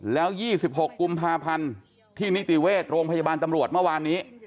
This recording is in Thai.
แล้ว๒๖กุมภาพันธ์ที่นิติเวชโรงพยาบาลตำรวจเมื่อวานนี้